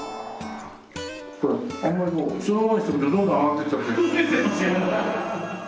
これあんまりもうそのままにしておくとどんどん上がってきちゃって。